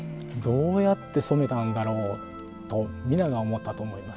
どうやって染めたんだろうと皆が思ったと思いますね。